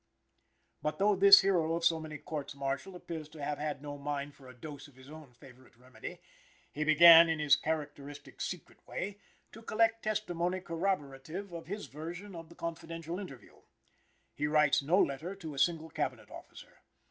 But, though this hero of so many courts martial appears to have had no mind for a dose of his own favorite remedy, he began, in his characteristic secret way, to collect testimony corroborative of his version of the confidential interview. He writes no letter to a single Cabinet officer.